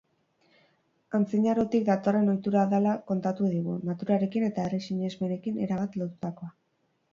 Antzinarotik datorren ohitura dela kontatu digu, naturarekin eta herri sinesmenekin erabat lotutakoa.